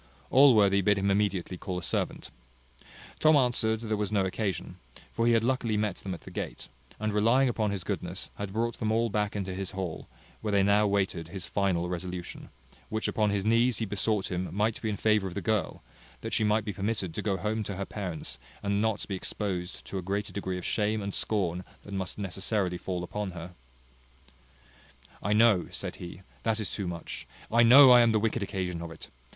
Allworthy bid him immediately call a servant. Tom answered there was no occasion; for he had luckily met them at the gate, and relying upon his goodness, had brought them all back into his hall, where they now waited his final resolution, which upon his knees he besought him might be in favour of the girl; that she might be permitted to go home to her parents, and not be exposed to a greater degree of shame and scorn than must necessarily fall upon her. "I know," said he, "that is too much. I know I am the wicked occasion of it.